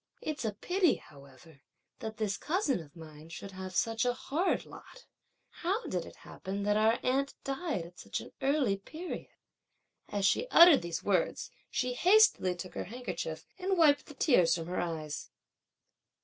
It's a pity, however, that this cousin of mine should have such a hard lot! How did it happen that our aunt died at such an early period?" As she uttered these words, she hastily took her handkerchief and wiped the tears from her eyes.